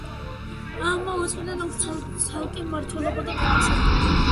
ამავე წლიდან აქვს ცალკე მმართველობა და ფინანსები.